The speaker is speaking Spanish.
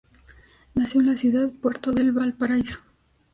Nació en la ciudad-puerto de Valparaíso.